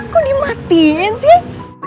kok dimatiin sih